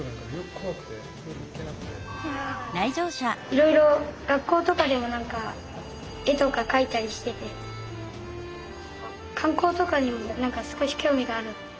いろいろ学校とかでも絵とか描いたりしてて観光とかにも少し興味がある。